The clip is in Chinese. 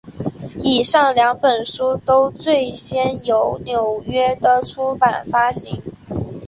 以上两本书都最先由纽约的出版发行。